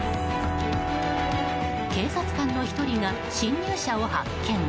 警察官の１人が侵入者を発見。